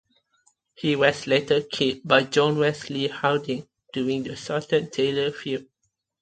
He was later killed by John Wesley Hardin during the Sutton-Taylor feud.